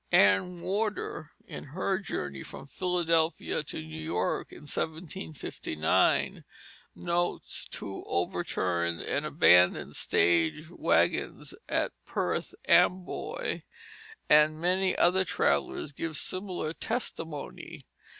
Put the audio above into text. Ann Warder, in her journey from Philadelphia to New York in 1759, notes two overturned and abandoned stage wagons at Perth Amboy; and many other travellers give similar testimony.